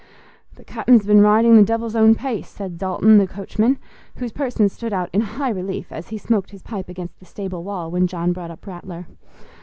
"The cap'n's been ridin' the devil's own pace," said Dalton the coachman, whose person stood out in high relief as he smoked his pipe against the stable wall, when John brought up Rattler.